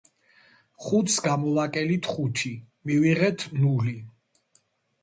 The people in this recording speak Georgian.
ხუთს გამოვაკელით ხუთი, მივიღეთ ნული.